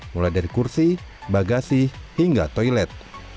mulai dari kursi bagasi hingga toilet